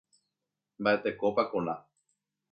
Mba'etekópa Kola